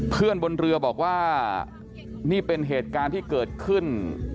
บนเรือบอกว่านี่เป็นเหตุการณ์ที่เกิดขึ้น